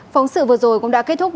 phóng sự vừa rồi cũng đã kết thúc